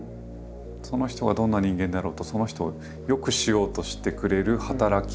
その人がどんな人間だろうとその人を良くしようとしてくれる働き。